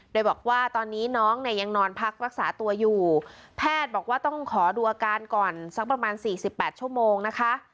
โดยบอกว่าตอนนี้น้องเนี่ยยังนอนพักรักษาตัวอยู่แพทย์บอกว่าต้องขอดูอาการก่อนสักประมาณสี่สิบแปดชั่วโมงนะคะ